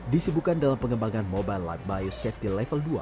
disibukan dalam pengembangan mobile light biosafety level dua